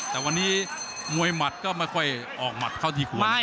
แต่วันนี้มวยหมัดก็ไม่ค่อยออกหมัดเท่าที่ควร